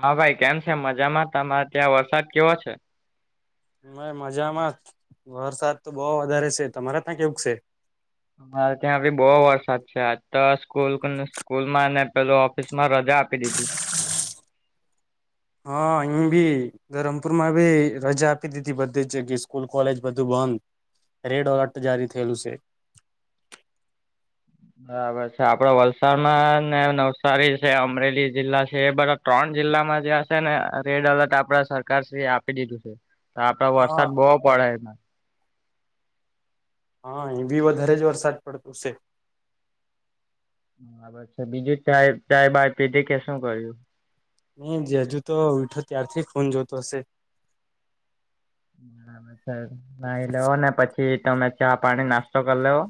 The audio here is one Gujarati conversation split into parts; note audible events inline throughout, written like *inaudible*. હા ભાઈ કેમ છે મજામાં તમારે ત્યાં વરસાદ કેવો છે? મે મજામાં વરસાદ તો બહુ વધારે છે, તમારે ત્યાં કેવું છે? અમારે ત્યાં ભી બહુ વરસાદ છે આજ તો સ્કૂલ સ્કૂલ માંને પેલ ઓફિસ માં રજા આપી દીધી. હા અહીં ભી. ધરમપુર માં ભી રજા આપી દીધી બધી જગયે કે સ્કૂલ કોલેજ બધું બંધ. રેડ અલર્ટ જારી થેલુસે. બરાબર છે આપડ વલસાડમાં ને નવસારી છે, અમરેલી જિલ્લા છે એ બરા ત્રણ જિલ્લામાં જે હશે ને રેડ એલર્ટ આપડા સરકારશ્રી એ આપી દીધું છે. તો આપડે હા વરસાદ બહુ પડે. હા એ બી વધારે જ વરસાદ પડતો છે. બરાબર છે બીજું ચાય બાય પીધિ કે શું કર્યું? નહી જે હજુ તો ઉઠો ત્યારથી ફોન જોતો હશે. નાહી લેવ ને પછી તમે ચા પાણી નાસ્તો કરી લેવો.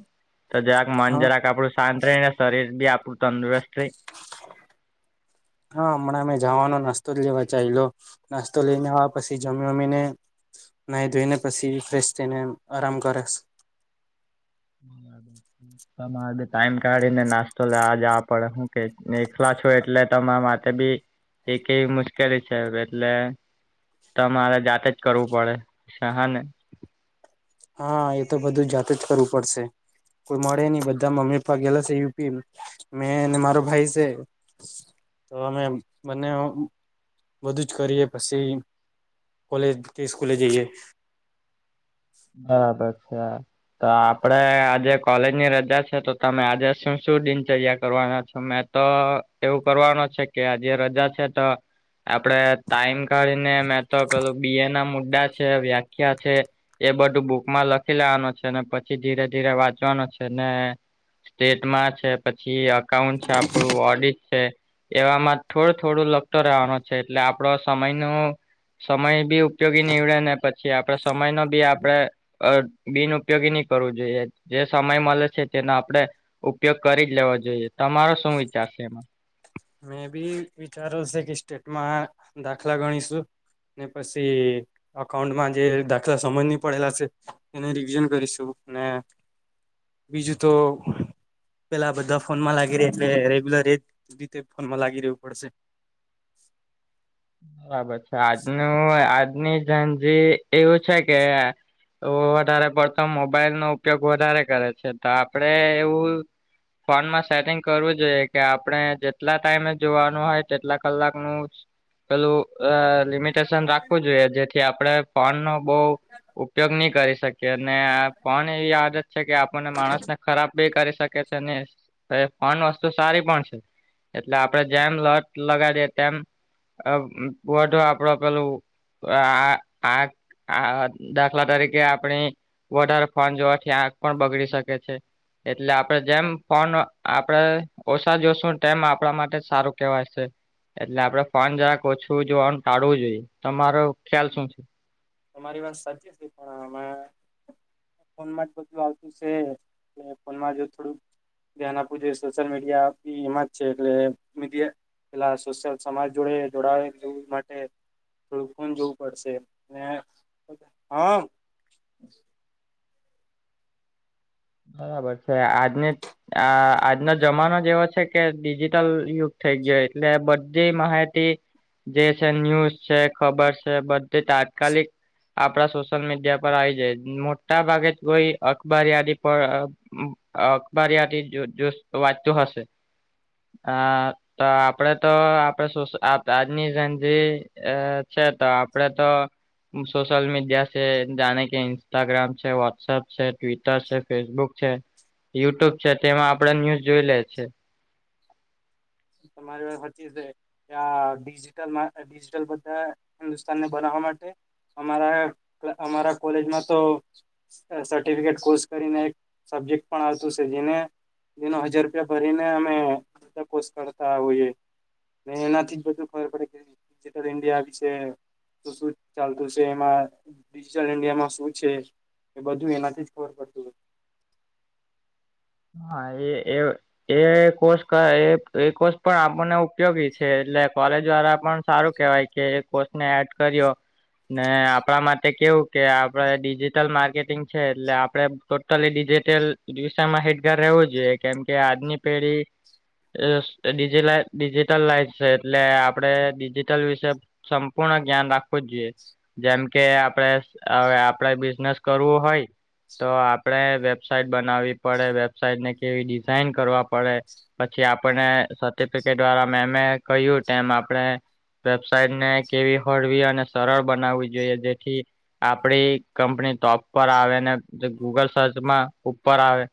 તો જરાક મન હા જરાક આપણું શાંત રહી ને શરીર બી આપણું તંદુરસ્ત રહે. *inaudible* હા હમણાં મે જવાનો નાસ્તો જ લેવા જાયલો. નાસ્તો લઈને આવવા પછી જમી વમીને. નાઈ ધોઈ ને પછી ફ્રેશ થઈને આરામ કરીશ. *inaudible* તમારે ટાઈમ કાઢીને નાસ્તો લેવા જવા પડે હું કે એકલા છું એટલે તમારા માટે. ત બી એકે મુશ્કેલી છે એટલે. તમારે જાતે જ કરવું પડે છે હા ને. હા એ તો બધું જાતે જ કરવું પડશે કોઈ મળે ની બધા મમ્મી પપ્પા ગેલા છે યુપી મેં અને મારો ભાઈ સે. તો અમે બંને બધું જ કરીએ પછી કોલેજ કે સ્કૂલે જઈએ બરાબર છે. તો આપડે આજે કોલેજની રજા છે તો તમે આજે શું શું દિનચર્યા કરવાના છો મે. તો એવું કરવાનું છે કે આ જે રજા છે તો આપડે ટાઈમ કાઢીને મેં તો પેલું બી એ ના મુદ્દા છે, વ્યાખ્યા છે. એ બધું બુકમાં લખી લેવાનું છે ને પછી ધીરે ધીરે વાંચવાનું છે ને સ્ટેટમાં છે પછી અકાઉન્ટ છે આપણું ઓડિટ છે. એવામાં થોડું થોડું લગતો રહેવાનો છે એટલે આપડો સમય નુ સમય બી ઉપયોગી નીવડે ને પછી આપડે સમય નો બી આપ આપણે બિન ઉપયોગી ની કરવું જોઈએ જે સમય મળે છે તેને આપણે ઉપયોગ કરી જ લેવો જોઈએ તમારો શું વિચાર છે એમાં? મેં બી વિચારો છે કે સ્ટેટમાં દાખલા ગણીશું ને પસી અકાઉન્ટમાં જે દાખલા સમજ ની પડેલા છે. એને રિવિઝન કરીશું ને બીજું તો પેલા બધા ફોનમાં લાગી રે એટલે રેગ્યુલર એ રીતે ફોનમાં લાગી રેવું પડશે બરાબર છે આજનું આજની જેન ઝી એવું છે કે તો વધારે પડતો મોબાઈલ નો ઉપયોગ વધારે કરે છે તો આપડે એવું ફોનમાં સેટિંગ કરવું જોઈએ કે આપણે જેટલા ટાઈમે જોવાનું હોય તેટલા કલાકનું જ પેલું અ લિમિટેશન રાખવું જોઈએ જેથી આપણે ફોન નો બહુ ઉપયોગ નહી કરી શકીએ ને પણ એવી આદત છે કે આપણને માણસને ખરાબ બી કરી શકે છે ને ફોન વસ્તુ સારી પણ છે. એટલે આપડે જેમ લત લગાડીએ તેમ અ બ તો આપડો પેલું આ આ આ દાખલા તરીકે આપણી વધારે ફોન જોવાથી આંખ પણ બગડી શકે છે. એટલે આપડે જેમ ફોન આપડે ઓછા જોશું ટેમ આપણા માટે સારું કેવાય છે. એટલે આપડે ફન જરાક ઓછું જોવાનું ટાળવું જોઈએ તમારો ખ્યાલ શું છે. તમારી વાત સાચી છે પણ અમે ફોનમાં જ બધું આવતું છે કે ફોનમાં જો થોડુંક ધ્યાન આપવુ જોઈએ સોશિયલ મીડિયા એમાં જ છે એટલે મીડિયા પેલા સોશલ સમાજ જોડે જોડવું માટે થોડું ફોન જોવું પડશે એ હ. બરાબર છે આજને આ આજનો જમાનો જ એવો છે કે ડિજિટલ યુગ થઈ ગયો એટલે બધી માહિતી જે છે ન્યૂઝ છે ખબર છે બધી તાત્કાલિક આપડા સોશિયલ મીડિયા પર આયીજાય મોટા ભાગે જ કોઈ અખબાર યાદી પર અ અખબાર યાદી જો વાંચતું હશે હ તો આપડે તો આપડ સોસ આજની જેન ઝી એ છે તો આપડે તો સોશલ મીડિયા છે જાણે કે ઇન્સ્ટાગ્રામ છે વ્હોટસએપ છે ટ્વીટર છે. ફેસબુક છે યુટ્યુબ છે તેમાં આપડે ન્યુઝ જોઈ લે છે. તમારી વાત હાચી છે. ત્યાં ડિજિટલ માર માર્ગેબધા હિન્દુસ્તાનને બનાવવા માટે અમારા અ અમારા કોલેજમાં તો સર્ટિફિકેટ કોર્સ કરીને એક સબ્જેક્ટ પણ આવતું સે જેને એનો હજાર રૂપિયા ભરીને અમે પોસ્ટ કરતા હોઈએ મે એનાથી જ બધું ખબર પડે કે ડિજિટલ ઇન્ડિયા છે વિશે શું શું ચાલતું છે એમાં ડિજિટલ ઇન્ડિયામાં શું છે બધું એનાથી જ ખબર પડતું હોય હા એ એ એ કોર્ષ ક એ એ કોર્ષ પણ આપણને ઉપયોગી છે એટલે કોલેજ દ્વારા પણ સારું કેવાય કે એ કોર્સ ને એડ કર્યો ને આપણા માટે કેવું કે આપડે ડિજિટલ માર્કેટિંગ છે એટલે આપડે ટોટલી ડિજિટલ દિશામાં એક રહેવું જોઈએ કેમ કે આજની પેઢી અ સ ડિજિટલ ડિજિટલાઇઝ છે એટલે આપડે ડિજિટલ વિશે સંપૂર્ણ ધ્યાન રાખવું જ જોઈએ. જેમ કે આપડે હવે આપડે બિઝનેસ કરવું હોય. તો આપડે વેબસાાઈટ બનાવવી પડે વેબસાઇટને કેવી ડિઝાઇન કરવા પડે પછી આપણ ને સર્ટિફિકેટ દ્વારા મેમ મે કહ્યું તેમ આપણે વેબસાઇટને કેવી હળવી અને સરળ બનાવવી જોઈએ જેથી આપડી કંપની ટોપ પર આવે ને જે ગૂગલ સર્ચમાં ઉપર આવે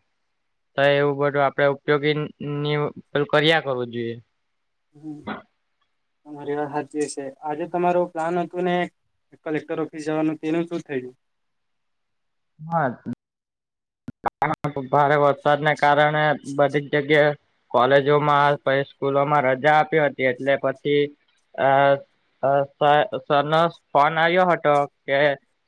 તો એવું બધું આપડે ઉપયોગી ની ની કર્યા કરવું જોઈએ. હમ્મ તમારી વાત સાચી છે આજે તમારું પ્લાન હતું ને કલેક્ટર ઓફિસ જવાનું તેનું શું થઇયું? હા. હા ભારે વરસાદને કારણે બધી જ જગ્યાએ કોલેજોમાં પછી સ્કૂલોમાં રજા આપી હતી એટલે પછી અ અ સર સર નો ફોન આવ્યો હતો કે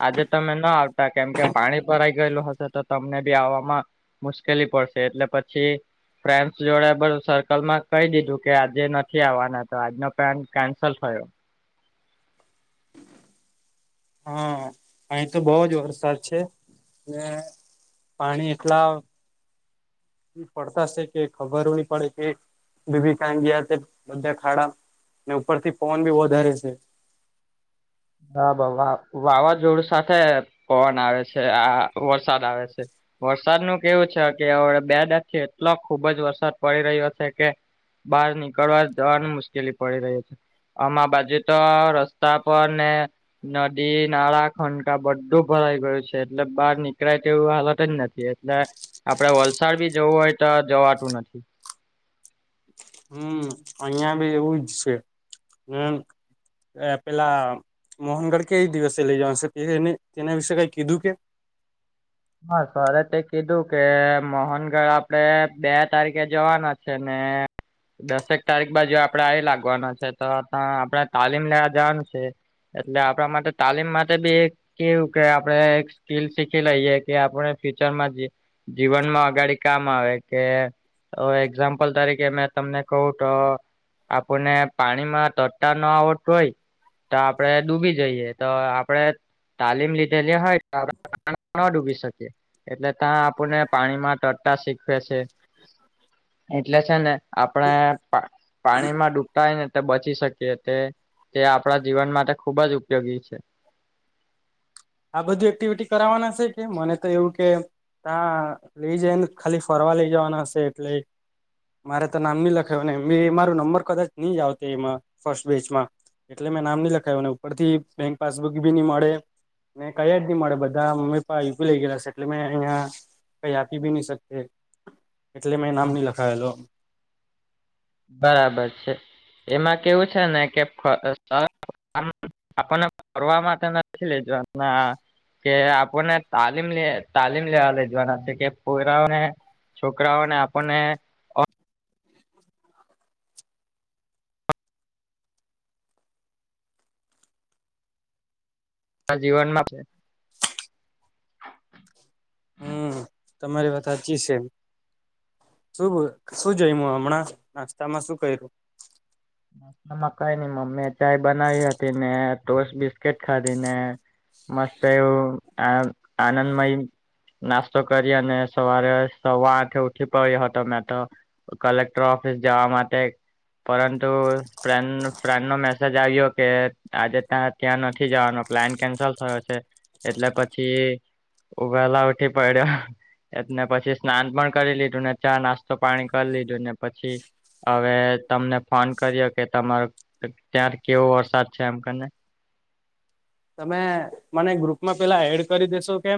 આજે તમે ન આવતા કેમ કે પાણી ભરાઈ ગયેલું હશે તો તમને બી આવવામાં મુશ્કેલી પડશે એટલે પછી ફ્રેન્ડસ જોડે બધુ સર્કલ માં કહી દીધું કે આજે નથી આવવાના તો આજનો પ્લાન કેન્સલ થયો હા અહીં તો બહું જ વરસાદ છે ને પાણી એટલા પડતા છે કે ખબર નહી પડે કે બી બી કઈ ગયા છે બધા ખાડા ને ઉપરથી પવન બી વધારે છે. હા વાવા વાવાઝોડું સાથે પવન આવે છે આ વરસાદ આવે છે. વરસાદ નુ કેવું છે કે બે દખ થી એટલો ખુબ જ વરસાદ પડી રહ્યો છે કે બહાર નીકળવા જવાનું મુશ્કેલી પડી રહી છે આમાર બાજુ તો રસ્તા પર અને નદી નાળા ખંકા બધું ભરાઈ ગયું છે એટલે બહાર નીકળાય તે એવું હાલત જ નથી. એટલે આપડે વલસાડ બી જવું હોય તો જવાતું નથી. હમ્મ અહીંયા બી એવુંજ છે હમ્મ. અ પેલા મોહનગઢ કે એ દિવસે લઈ જવાનું છે તેના વિશે કાંઈ કીધું કે હા સરે તે કીધું કે મોહનગઢ આપડે બે તારીખે જવાના છે ને દસેક તારીખ બાજુ આપડે આવી લાગવાનો છે તો ત આપણે તાલીમ લેવા જવાનું છે એટલે આપણા માટે તાલીમ માટે બી એક કેવું કે આપડે એક સ્કીલ શીખી લઈએ કે આપણે ફ્યુચરમાં જી જીવનમાં અગાડી કામ આવે કે તો એક્ઝામ્પલ તરીકે મેં તમને કહું તો આપણને પાણી માં તટતા ન આવડતું હોય તો આપડણે ડૂબી જઈએ તો આપડે તાલીમ લીધેલી હોય તો આપણે ન ડૂબી એટલે ત્યાં આપણને પાણીમાં તટટા શીખવે છે. એટલે છે ને આપણે પા પાણી માં ડૂબતા હોય ને તે બચી શકીએ તે તે આપણા જીવન માટે ખુબ જ ઉપયોગી છે. આ બધું એક્ટિવિટી કરાવવાના છે કે મને તો એવું કે એમ ના લઈ જાય ન ખાલી ફરવા લઈ જવાના હશે એટલે મારે તો નામ નહી લખે ને મે મારો નંબર કદાચ નહી જ આવતો એમાં ફર્સ્ટ બેચમાં એટલે મેં નામ નહી લખાય્યુંને ઉપર થી બેંક પાસબુક ભી નહી મળે. મેં કયા જ નહી મળે બધા મમ્મી પપ્પ યુપી લઈ ગયેલા છે એટલે મેં અહં. કઈ આપી બી નહી શકતે એટલે મેં નામ નહી લખાવેલો. બરાબર છે એમાં કેવું છે ને કે. આપણને ફરવા માટે નથી લેજોમ. કે આપણને તાલીમ લ તાલીમ લેવા લઈ જવાના છે કે પુરાને. છોકરાઓને આપણને. જીવનમાં. હમ તમારી વાતચી છેમ. શું શું જઈ હમણાં નાસ્તામાં શું કર્યું. માં કઈ નઈ મમ્મી ચાય બનાવી હતી ને ટોસ બિસ્કીટ ખાધી ને. મસ્ત એવું આ આનંદમય. નાસ્તો કરી અને સવારે સવા આઠે ઉઠી પડ્યો હતો મેં તો. કલેક્ટર ઓફિસ જવા માટે પરંતુ. ફ્રેન્ડ ફ્રેન્ડ નો મેસેજ આવ્યો કે આજે ત્યાં ત્યાં નથી જવાનો પ્લાન કેન્સલ થયો છે. એટલે પછી ઉભેલા ઉઠી પડ્યો. એને પછી સ્નાન પણ કરી લીધું ને ચા નાસ્તો પાણી કરી લીધું ને પછી.. હવે તમને ફોન કર્યો કે તમારો ત્યાં કેવો વરસાદ છે એમ કને. તમે મને ગ્રુપમાં પેલા એડ કરી દેેશો કે.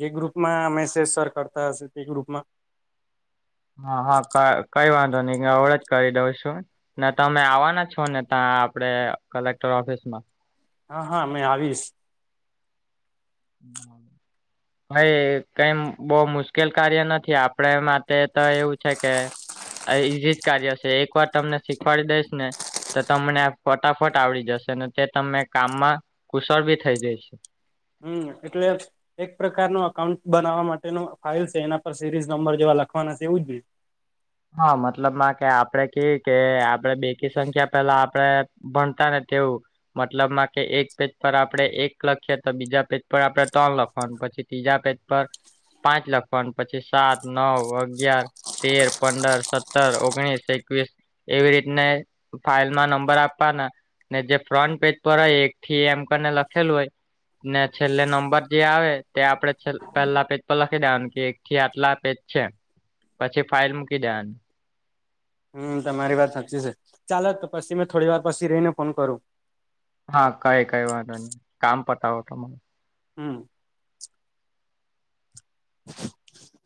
જે ગ્રુપમાં મેસેજ સર કરતા હશે તે ગ્રુપમાં. હા હા ક કઈ વાંધો નહી અવળે જ કરી દઉં છું. ને તમે આવવાના છો ને તા આપડે કલેક્ટર ઓફિસમાં. હા હા મેમે આવીશ. *inaudible* ભાઈ કઈ બહ મુશ્કેલ કાર્ય નથી આપડ માટે તો એવું છે કે. આ ઈઝીજ કાર્ય છે એક વાર તમને શીખવાડી દઈશ ને. તો તમને ફટાફટ આવડી જશે તે તમને કામમાં કુશળ બી થઈ જઈશે. હમ એટલે. એક પ્રકાર ન અકાઉન્ટ બનાવવા માટેનો ફાઇલ છે એના પર સિરીઝ નંબર જેવા લખવાના છે એવું જ કે. હા મતલબમાં કે આપડે કે કે આપડે બેકી સંખ્યા પેલા આપડે. ભણતા ને તેવું. મતલબમાં કે એક પેજ પર આપડણે એક લખીએ તો બીજા પેજ પર આપડણે ત્રણ લખવાનું પછી. ત્રીજા પેજ પર પાંચ લખવાનું પછી સાત નવ અગિયાર તેર, પંદર સત્તર ઓગણીસ એકવીસ એવી રીતને. ફાાઈલમાં નંબર આપવાના ને જે ફ્રન્ટ પેજ પર હોય એક થી એમ કરીને લખેલું હોય. ને છેલ્લે નંબર જે આવે તે આપડે પેલા પેજ પર લખી કે. થી આટલા પેજ છે પછી ફાઇલ મૂકી દેવાની. હમ તમારી વાત સાચી છે ચાલલે જ તો પછી મેં થોડી વાર પછી રહી ને ફોન કરું. હા કઈ કઈ વાંધો નહી કામ પતાવો તમે. હમ. *inaudible*